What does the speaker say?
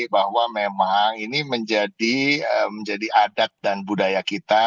bahwa memang ini menjadi adat dan budaya kita